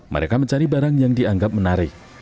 mereka mencari barang yang dianggap menarik